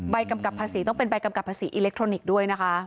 กำกับภาษีต้องเป็นใบกำกับภาษีอิเล็กทรอนิกส์ด้วยนะคะ